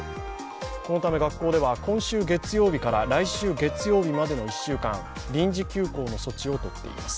このため学校では今週月曜日から来週月曜日までの１週間、臨時休講の措置を取っています。